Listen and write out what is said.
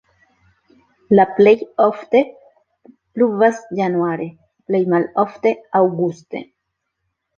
La plej ofte pluvas januare, plej malofte aŭguste.